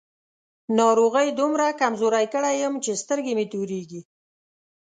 ناروغۍ دومره کمزوری کړی يم چې سترګې مې تورېږي.